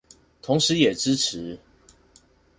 同時也支持